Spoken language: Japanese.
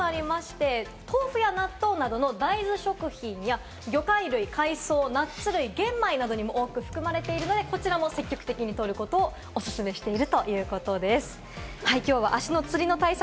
豆腐や納豆などの大豆食品や魚介類、海藻、ナッツ類、玄米などに多く含まれているのでこちらも積極的に取ることをおすすめしているということです。